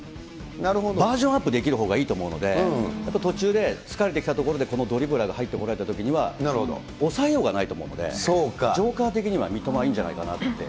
バージョンアップできるほうがいいと思うので、途中で疲れてきたところでこのドリブラーが入ってくると、抑えようがないと思うので、ジョーカー的には三笘いいんじゃないかなって。